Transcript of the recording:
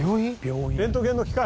レントゲンの機械？